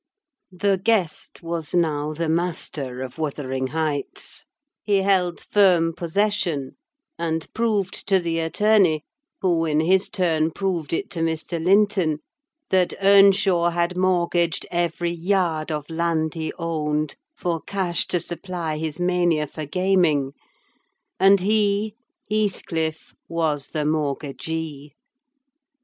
The guest was now the master of Wuthering Heights: he held firm possession, and proved to the attorney—who, in his turn, proved it to Mr. Linton—that Earnshaw had mortgaged every yard of land he owned for cash to supply his mania for gaming; and he, Heathcliff, was the mortgagee.